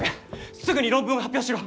すぐに論文を発表しろ！